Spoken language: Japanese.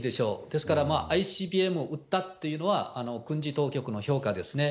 ですから、ＩＣＢＭを撃ったというのは、軍事当局の評価ですね。